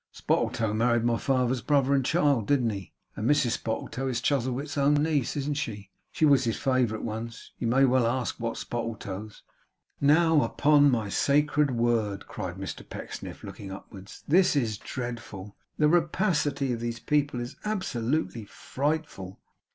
'Spottletoe married my father's brother's child, didn't he? And Mrs Spottletoe is Chuzzlewit's own niece, isn't she? She was his favourite once. You may well ask what Spottletoes.' 'Now upon my sacred word!' cried Mr Pecksniff, looking upwards. 'This is dreadful. The rapacity of these people is absolutely frightful!